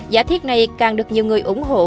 giả thiết này càng được nhiều người ủng hộ